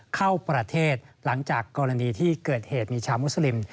เข้าประเทศหลังจากกรณีที่เกิดเหตุมีชาวมุสลิม